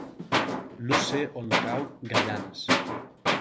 No sé on cau Gaianes.